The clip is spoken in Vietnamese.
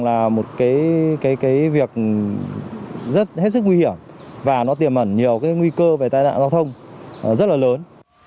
là một việc rất nguy hiểm và tiềm ẩn nhiều nguy cơ về tai nạn giao thông rất lớn